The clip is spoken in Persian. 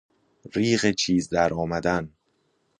ریغ چیز در آمدن